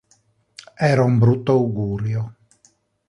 Era un brutto augurio.